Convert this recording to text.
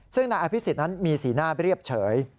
ซึ่งนายอภิษฎนั้นมีสีหน้าเรียบเฉย